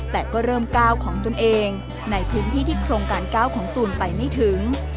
แต่ก็เริ่มก้าวของตนเองในพื้นที่ที่โครงการ๙ของตูนไปไม่ถึง